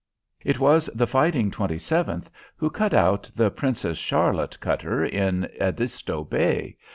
It was "the Fighting Twenty seventh" who cut out the "Princess Charlotte" cutter in Edisto Bay.